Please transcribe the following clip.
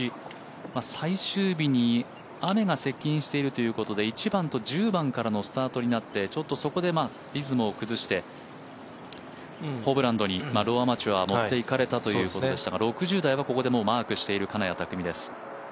最終日に雨が接近しているということで１番と１０番からのスタートになってちょっとそこでリズムを崩してローアマチュアに持って行かれたということですが６０台はここでマークしている金谷拓実です。